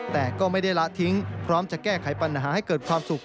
แต่ก็ไม่ได้ละทิ้งพร้อมจะแก้ไขปัญหาให้เกิดความสุข